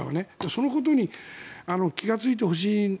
そのことに気がついてほしい。